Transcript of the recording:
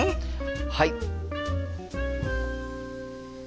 はい！